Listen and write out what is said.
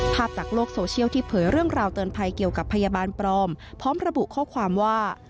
จากโลกโซเชียลที่เผยเรื่องราวเตือนภัยเกี่ยวกับพยาบาลปลอมพร้อมระบุข้อความว่า